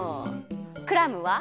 クラムは？